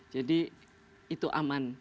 jadi itu aman